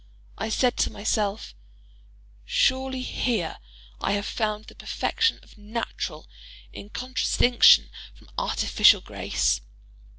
I said to myself, "Surely here I have found the perfection of natural, in contradistinction from artificial grace."